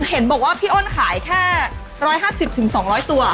เห็นบอกว่าพี่อ้นขายแค่๑๕๐๒๐๐ตัว